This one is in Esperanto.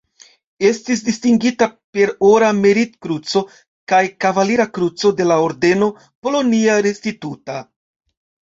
Estis distingita per Ora Merit-Kruco kaj Kavalira Kruco de la Ordeno Polonia Restituta.